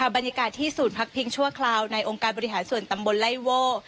บรรยากาศที่ศูนย์พักพิงชั่วคราวในองค์การบริหารส่วนตำบลไล่โว่